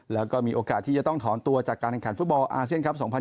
แล้วก็มีโอกาสที่จะต้องถอนตัวจากการแข่งขันฟุตบอลอาเซียนครับ๒๐๒๐